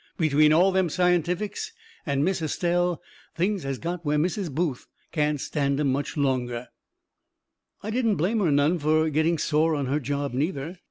Between all them scientifics and Miss Estelle things has got where Mrs. Booth can't stand 'em much longer. I didn't blame her none fur getting sore on her job, neither.